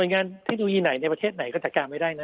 งานเทคโนโลยีไหนในประเทศไหนก็จัดการไม่ได้นะ